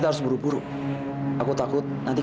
bardzo buruk sekarang